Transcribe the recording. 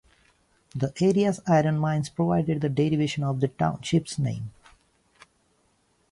The area's iron mines provided the derivation of the township's name.